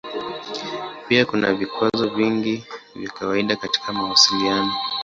Pia kuna vikwazo vingi vya kawaida katika mawasiliano.